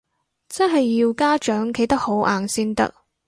真係要家長企得好硬先得